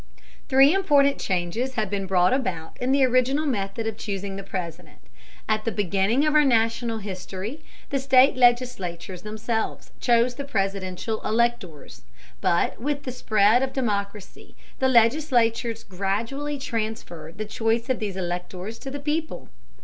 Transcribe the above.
Three important changes have been brought about in the original method of choosing the President. At the beginning of our national history, the state legislatures themselves chose the Presidential electors, but with the spread of democracy the legislatures gradually transferred the choice of these electors to the people.